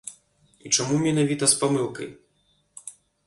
І чаму менавіта з памылкай?